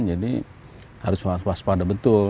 jadi harus waspada betul